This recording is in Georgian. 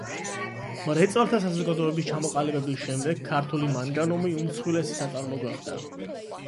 მრეწველთა საზოგადოების ჩამოყალიბების შემდეგ, ქართული მანგანუმი უმსხვილესი საწარმო გახდა.